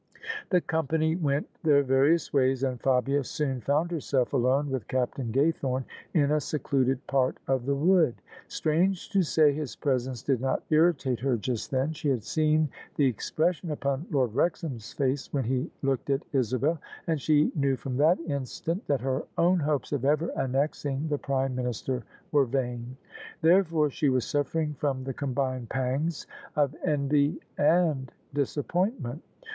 The company went their various ways: and Fabia soon found herself alone with Captain Gaythorne in a secluded part of the wood. Strange to say, his presence did not irri tate her just then. She had seen the expression upon Lord Wrexham's face when he looked at Isabel; and she knew from that instant that her own hopes of ever annexing the Prime Minister were vain. Therefore she was suffering from the combined pangs of envy and disappointment.